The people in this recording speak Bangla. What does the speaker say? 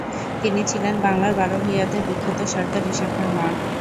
তিনি ছিলেন বাংলার বারো-ভুঁইয়াদের বিখ্যাত সরদার ঈশা খাঁর মা।